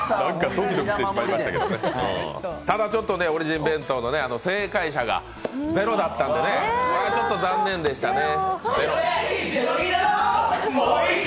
ただ、ちょっと、オリジン弁当の正解者がゼロだったので、残念でしたね。